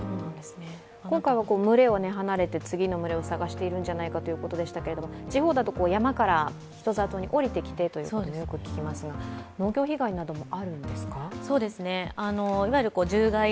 今回は群れを離れて次の群れを探しているんじゃないかということでしたけれども、地方だと山から人里に下りてくるというのをよく聞きますが農業被害などもあるんですか？